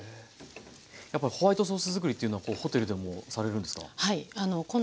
やっぱりホワイトソース作りというのはホテルでもされるんですか？